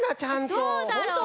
どうだろう？